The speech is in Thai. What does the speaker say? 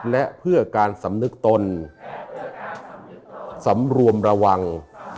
และเพื่อการสำนึกตนสำรวมระวัง